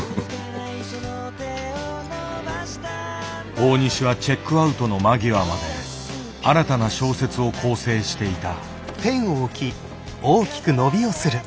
大西はチェックアウトの間際まで新たな小説を校正していた。